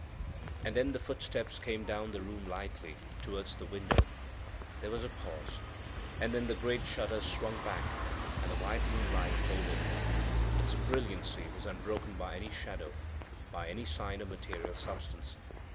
And then the footsteps came down the room lightly, towards the window; there was a pause, and then the great shutters swung back, and the white moonlight poured in. Its brilliancy was unbroken by any shadow, by any sign of material substance.